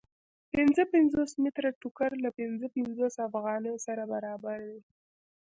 پنځه پنځوس متره ټوکر له پنځه پنځوس افغانیو سره برابر دی